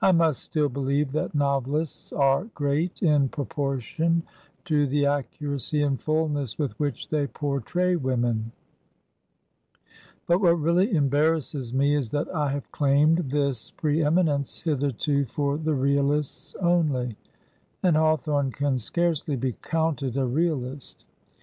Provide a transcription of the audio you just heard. I must still believe that novelists are great in proportion to the accuracy and fulness with which they portray women ; but what really embarrasses me is that I have claimed this pre eminence hitherto for the realists only, and Hawthorne can scarcely be counted a realist.